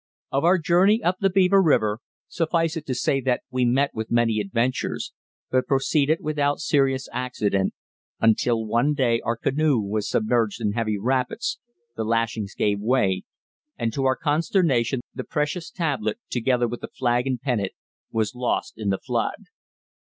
Of our journey up the Beaver River suffice it to say that we met with many adventures, but proceeded without serious accident until one day our canoe was submerged in heavy rapids, the lashings gave way, and to our consternation the precious tablet, together with the flag and pennant, was lost in the flood.